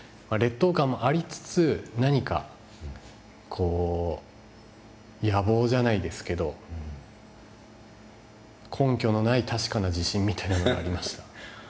劣等感もありつつ何かこう野望じゃないですけど根拠のない確かな自信みたいなのはありました。